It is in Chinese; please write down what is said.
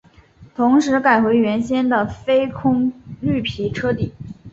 同时改回原先的非空绿皮车底。